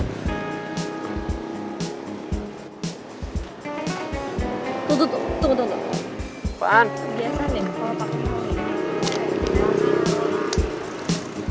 tuh tuh tuh tunggu tunggu tunggu